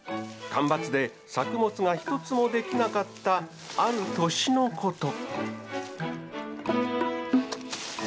干ばつで作物が一つも出来なかったある年のこと。